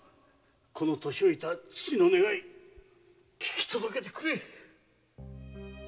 この年老いた父の願いききとどけてくれ！〕